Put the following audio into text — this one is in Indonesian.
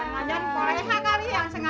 l midang representative kadang